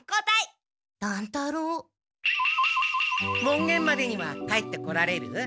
もんげんまでには帰ってこられる？